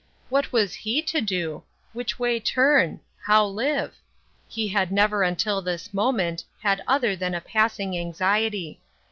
What was he to do ? which way turn ? how live ? He had never until this moment had other than a passing anxiety.